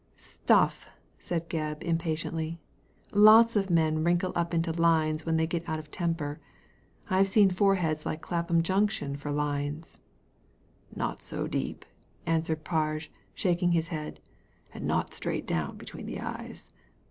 "Stuff I" said Gebb, impatiently. "Lots of men wrinkle up into lines when they get out of temper. I've seen foreheads like Clapham Junction for lines." " Not so deep," answered Parge, shaking his head, "and not straight down between the eyes.